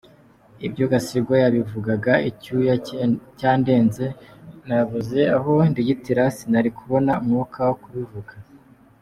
Ibyo Gasigwa yabivugaga icyuya cyandenze nabuze aho ndigitira sinari kubona umwuka wo kubivuga.